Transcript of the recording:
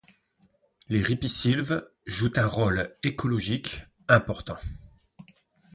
Les ripisylves jouent un rôle écologique important.